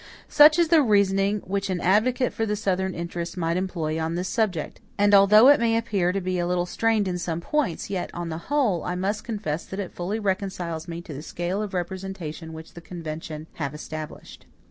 Such is the reasoning which an advocate for the Southern interests might employ on this subject; and although it may appear to be a little strained in some points, yet, on the whole, I must confess that it fully reconciles me to the scale of representation which the convention have established.